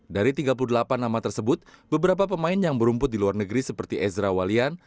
dari tiga puluh delapan nama tersebut beberapa pemain yang berumput di luar negeri seperti ezra walian